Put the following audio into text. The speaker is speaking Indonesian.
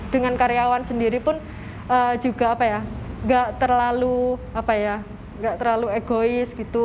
dengan karyawan sendiri pun juga apa ya nggak terlalu apa ya nggak terlalu egois gitu